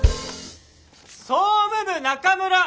総務部中村。